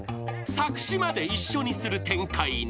［作詞まで一緒にする展開に］